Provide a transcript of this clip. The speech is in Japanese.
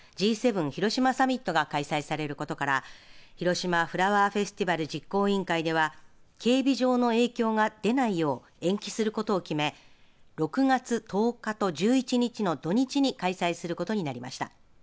Ｇ７広島サミットが開催されることからひろしまフラワーフェスティバル実行委員会では警備上の影響が出ないよう延期することを決め６月１０日と１１日の土日に開催することになりました。